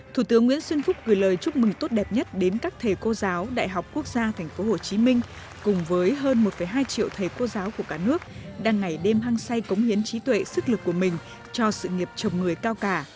thủ tướng nguyễn xuân phúc gửi lời chúc mừng tốt đẹp nhất đến các thầy cô giáo đại học quốc gia tp hcm cùng với hơn một hai triệu thầy cô giáo của cả nước đang ngày đêm hăng say cống hiến trí tuệ sức lực của mình cho sự nghiệp chồng người cao cả